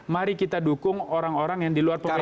mari kita dukung orang orang yang di luar pemerintah